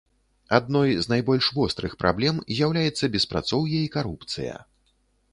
Адной з найбольш вострых праблем з'яўляецца беспрацоўе і карупцыя.